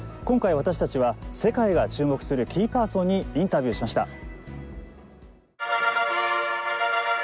今回、私たちは世界が注目するキーパーソンにインタビューしました。